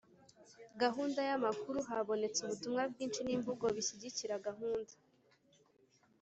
gahunda y amakuru habonetse ubutumwa bwinshi n imvugo bishyigikira gahunda